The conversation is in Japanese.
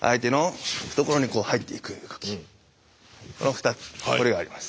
この２つこれがあります。